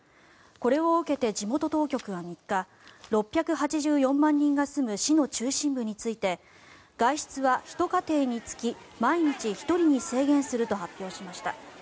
これを受けて地元当局は３日６８４万人が住む市の中心部について外出はひと家庭につき毎日１人に制限すると発表しました。